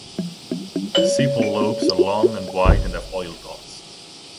The sepal lobes are long and wide and have oil dots.